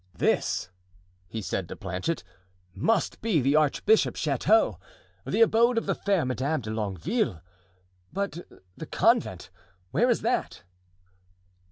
"This," he said to Planchet, "must be the archbishop's chateau, the abode of the fair Madame de Longueville; but the convent, where is that?"